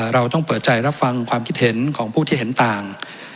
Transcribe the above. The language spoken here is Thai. เราต้องเปิดใจรับฟังความคิดเห็นของผู้ที่เห็นต่าง